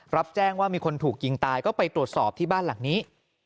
รับแจ้งว่ามีคนถูกยิงตายก็ไปตรวจสอบที่บ้านหลังนี้